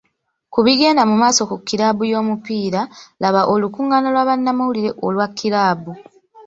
Ku bigenda mu maaso ku kiraabu y'omupiira, laba olukungaana lwa bannamawulire olwa kiraabu.